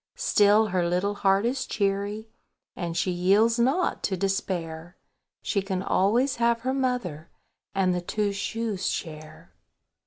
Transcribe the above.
Still her little heart is cheery, And she yields not to despair; She can always have her mother, And the Two shoes Chair.